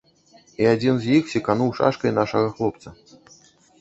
І адзін з іх секануў шашкай нашага хлопца.